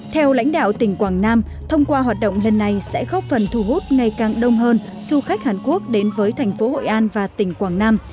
theo lãnh đạo tỉnh quảng nam thông qua hoạt động lần này sẽ góp phần thu hút ngày càng đông hơn du khách hàn quốc đến với thành phố hội an và tỉnh quảng nam